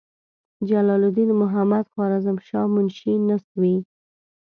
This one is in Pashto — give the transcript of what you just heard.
جلال الدین محمدخوارزمشاه منشي نسوي.